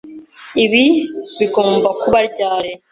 Ibi bigomba kuba ryari?